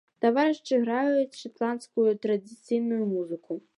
Таварышы граюць шатландскую традыцыйную музыку.